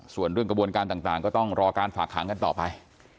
ส่วนเรื่องกระบวนการต่างก็ต้องรอการฝากขังกันต่อไป